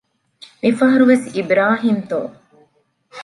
މި ފަހަރު ވެސް އިބްރާހީމްތޯ؟